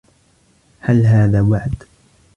هل هذا وعد؟